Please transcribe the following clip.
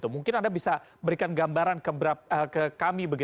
mungkin anda bisa berikan gambaran ke kami